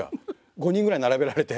５人ぐらい並べられて。